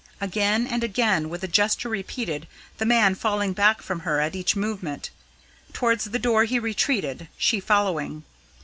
Again and again was the gesture repeated, the man falling back from her at each movement. Towards the door he retreated, she following.